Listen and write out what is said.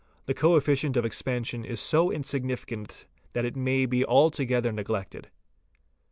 the co efficient of expansion is so insignificant that it may be alto gether neglected.